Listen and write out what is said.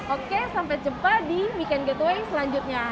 oke sampai jumpa di we can get away selanjutnya